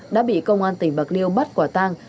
đã bị công an tỉnh bạc liêu bắt quả tang